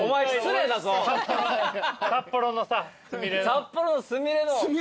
札幌のすみれの。